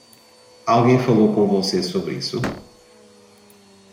Alguém falou com você sobre isso?